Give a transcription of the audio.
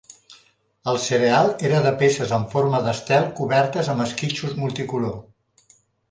El cereal era de peces en forma d'estel cobertes amb esquitxos multicolor.